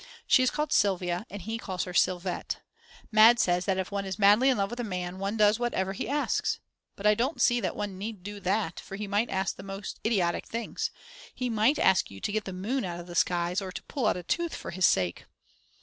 She is called Sylvia and he calls her Sylvette. Mad. says that if one is madly in love with a man one does whatever he asks. But I don't see that one need do that, for he might ask the most idiotic things; he might ask you to get the moon out of the skies, or to pull out a tooth for his sake.